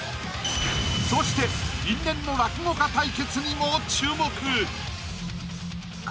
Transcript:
そして因縁の落語家対決にも注目！